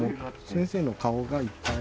先生の顔がいっぱい。